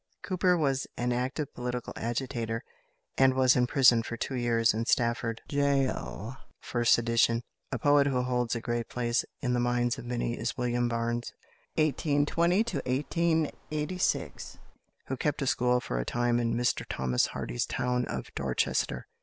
Cooper was an active political agitator, and was imprisoned for two years in Stafford gaol for sedition. A poet who holds a great place in the minds of many is =William Barnes (1820 1886)=, who kept a school for a time in Mr Thomas Hardy's town of Dorchester.